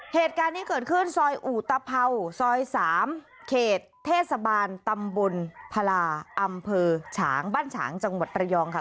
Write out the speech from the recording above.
เหตุการณ์นี้เกิดขึ้นซอยอุตภัวซอย๓เขตเทศบาลตำบลพลาอำเภอฉางบ้านฉางจังหวัดระยองค่ะ